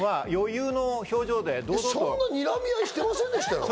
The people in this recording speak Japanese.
そんなにらみ合いしてませんでしたよ。